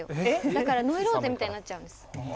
だからノイローゼみたいになっちゃうんです